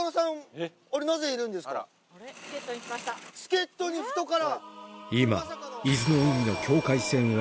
助っ人に富戸から？